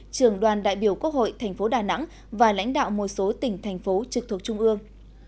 trường đoàn đại biểu quốc hội thành phố đà nẵng và lãnh đạo một số tỉnh thành phố trực thuộc trung ương